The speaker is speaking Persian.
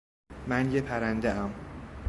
من یه پرنده ام